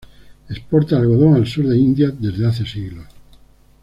Exporta algodón al sur de India desde hace siglos.